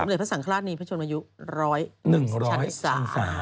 สำเร็จพระสังฆราชนีพระชนมายุ๑๐๐ชันศา